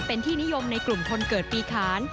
เป็นที่นิยมในกลุ่มคนเกิดปีขาน